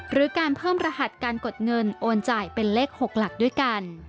หรือการเพิ่มรหัสการกดเงินโอนจ่ายเป็นเลข๖หลักด้วยกัน